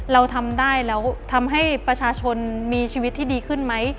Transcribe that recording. เราทำได้แล้วทำให้ประชาชนมีชีวิตที่ดีขึ้นไหม